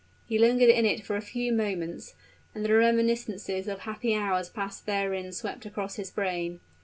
He lingered in it for a few moments; and the reminiscences of happy hours passed therein swept across his brain.